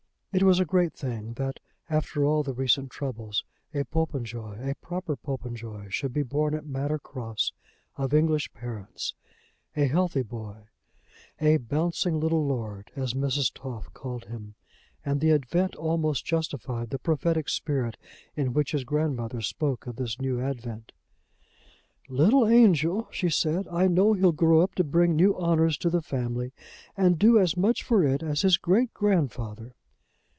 It was a great thing that, after all the recent troubles, a Popenjoy, a proper Popenjoy, should be born at Manor Cross of English parents, a healthy boy, a bouncing little lord, as Mrs. Toff called him; and the event almost justified the prophetic spirit in which his grandmother spoke of this new advent. "Little angel!" she said. "I know he'll grow up to bring new honours to the family, and do as much for it as his great grandfather."